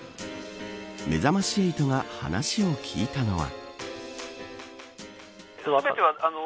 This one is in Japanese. めざまし８が話を聞いたのは。